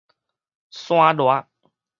山剌